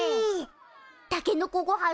たけのこごはん